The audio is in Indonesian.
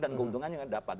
dan keuntungannya tidak dapat